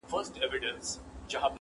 o ياد مي ته که، مړوي به مي خدای!